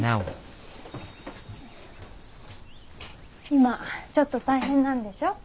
今ちょっと大変なんでしょ？